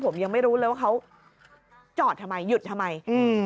ผมยังไม่รู้เลยว่าเขาจอดทำไมหยุดทำไมอืม